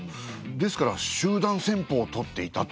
ですから集団戦法をとっていたと。